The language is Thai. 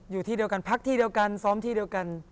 อยู่ที่เดียวกันพักที่เดียวกันซ้อมที่เดียวกัน